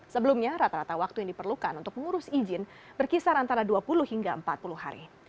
sebelumnya rata rata waktu yang diperlukan untuk mengurus izin berkisar antara dua puluh hingga empat puluh hari